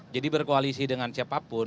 jadi berkoalisi dengan siapapun